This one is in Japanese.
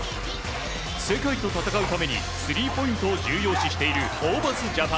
世界と戦うためにスリーポイントを重要視している日本代表。